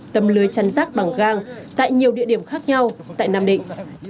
tầm lưới chăn rác bằng gang tại nhiều địa điểm khác nhau tại nam định